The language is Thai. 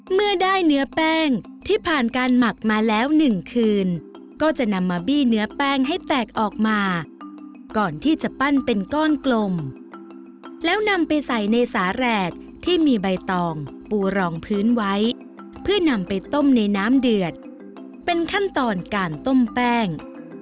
เมื่อได้เนื้อแป้งที่ผ่านการหมักมาแล้ว๑คืนก็จะนำมาบี้เนื้อแป้งให้แตกออกมาก่อนที่จะปั้นเป็นก้อนกลมแล้วนำไปใส่ในสาแหลกที่มีใบตองปูรองพื้นไว้เพื่อนำไปต้มในน้ำเดือดเป็นขั้นตอนการต้มแป้ง